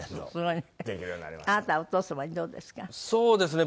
あなたお父様にどうですか？